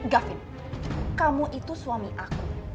gavin kamu itu suami aku